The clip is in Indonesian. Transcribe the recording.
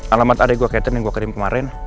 alamat adek gue catherine yang gue kirim kemarin